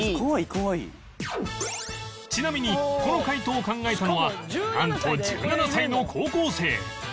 ちなみにこの回答を考えたのはなんと１７歳の高校生